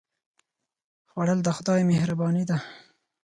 خوړل د خدای مهرباني ده